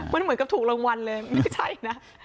มันเหมือนกับถูกรางวัลเลยไม่ใช่นะ